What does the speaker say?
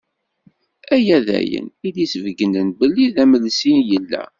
Aya d ayen i d-isbeyyinen belli d amelsi i yella.